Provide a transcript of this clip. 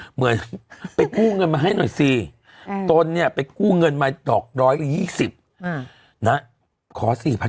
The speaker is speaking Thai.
เหมือนไปกู้เงินมาให้หน่อยสิตนนี่ไปกู้เงินมาดอก๑๒๐บาท